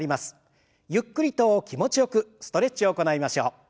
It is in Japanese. ゆっくりと気持ちよくストレッチを行いましょう。